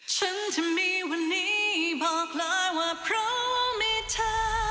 ฉันจะมีวันนี้บอกกล่าวว่าเพราะมีเธอ